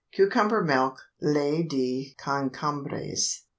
CUCUMBER MILK (LAIT DE CONCOMBRES).